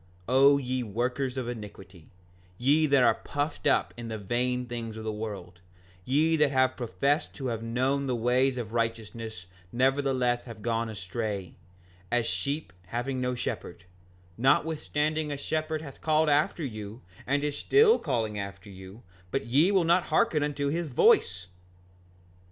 5:37 O ye workers of iniquity; ye that are puffed up in the vain things of the world, ye that have professed to have known the ways of righteousness nevertheless have gone astray, as sheep having no shepherd, notwithstanding a shepherd hath called after you and is still calling after you, but ye will not hearken unto his voice!